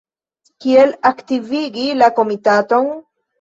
Kiel aktivigi la Komitaton?